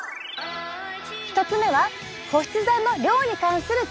１つ目は保湿剤の量に関するＴ！